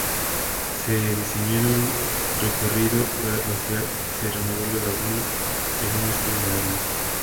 Se diseñaron recorridos para pasear y se renovó la laguna en un estilo moderno.